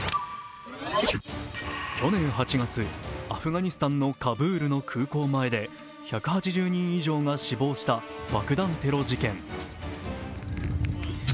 去年８月、アフガニスタンのカブールの空港前で１８０人以上が死亡した爆弾テロ事件